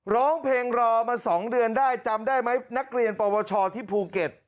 ร้องเพลงรอมา๒เดือนได้จำได้ไหมนักเรียนปวชที่ภูเก็ต